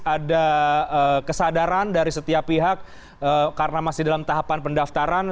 ada kesadaran dari setiap pihak karena masih dalam tahapan pendaftaran